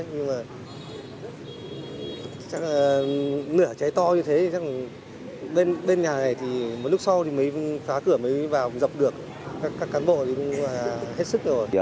nhưng mà chắc là nửa cháy to như thế bên nhà này một lúc sau phá cửa mới vào dọc được các cán bộ hết sức rồi